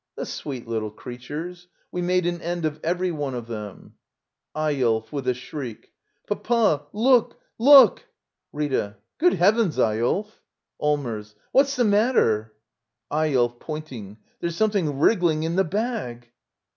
The sweet little creatures! We made an end of every one of them. Eyolf. [With a shriek.] Papa — look! look! Rita. Good Heavens, Eyolf! Allmers. What's the matter? Eyolf. [Pointing.] There's something wrig gling in the bag!